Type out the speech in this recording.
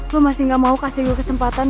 lo masih gak mau kasih gue kesempatan